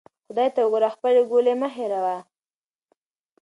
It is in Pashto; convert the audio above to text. خدای ته وګوره او خپلې ګولۍ مه هیروه.